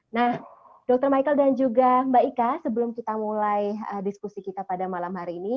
nah dr michael dan juga mbak ika sebelum kita mulai diskusi kita pada malam hari ini